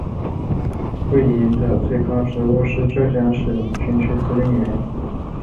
傅怡的最高职务是浙江省军区司令员。